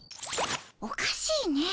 おかしいねえ。